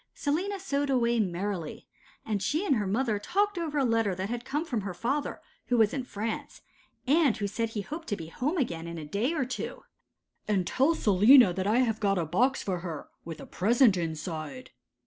Selina sewed away merrily, and she and her mother talked over a letter that had come from her father, who was in France, and who said he hoped to be home again in a day or two. 'And tell Selina that I have got a box for her, with a present inside.